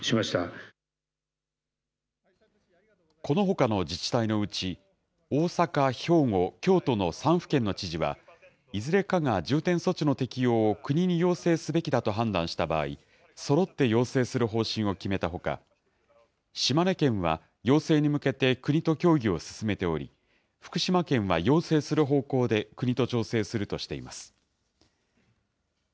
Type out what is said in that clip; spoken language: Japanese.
このほかの自治体のうち、大阪、兵庫、京都の３府県の知事は、いずれかが重点措置の適用を国に要請すべきだと判断した場合、そろって要請する方針を決めたほか、島根県は要請に向けて国と協議を進めており、福島県は要請する方向で国と調整するとしています。